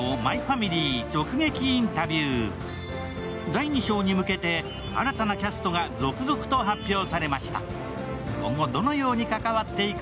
第２章に向けて新たなキャストが続々と発表されました。